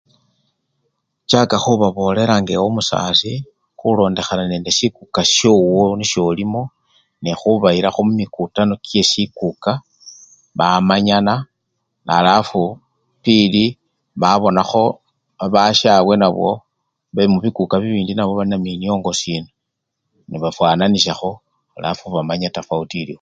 Uchaka khubabolela ngewe omusasi khulondekhana nende sikuka showo nisho olimo nekhubayilakho mumikutano kyesi kyesikuka bamanyana naalafu pilli babonakho babashabwe nabwo bemubikuka bibindi nabo bari naminyongo siina nebafwananishakho alafu nebamanya tafawuti eliwo.